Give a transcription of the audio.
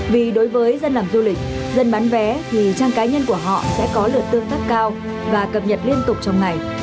vì đối với dân làm du lịch dân bán vé thì trang cá nhân của họ sẽ có lượt tương tác cao và cập nhật liên tục trong ngày